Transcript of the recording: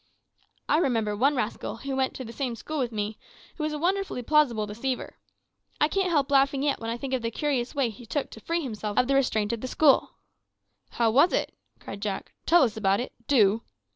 I remember one rascal, who went to the same school with me, who was a wonderfully plausible deceiver. I can't help laughing yet when I think of the curious way he took to free himself of the restraint of school." "How was it?" cried Jack; "tell us about it do."